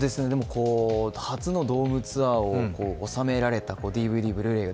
初のドームツアーを納められたＤＶＤ＆ブルーレイが